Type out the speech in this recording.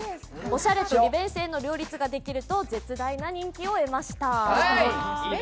おしゃれと利便性の両立ができると絶大な人気を得ました。